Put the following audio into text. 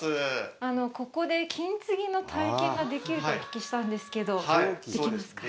ここで金継ぎの体験ができるとお聞きしたんですけど、できますか。